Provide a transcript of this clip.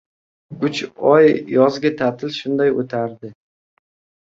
Uch oy yozgi ta’til shunday o‘tardi.